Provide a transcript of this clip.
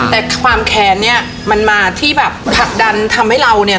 แต่ความแค้นเนี่ยมันมาที่แบบผลักดันทำให้เราเนี่ย